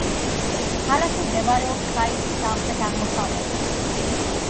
ქალაქი მდებარეობს ხაიფის სამხრეთ-აღმოსავლეთით.